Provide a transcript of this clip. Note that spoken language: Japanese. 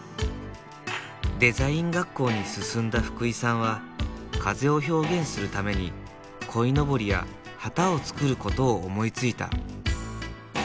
デザイン学校に進んだ福井さんは風を表現するために鯉のぼりや旗を作ることを思いついた。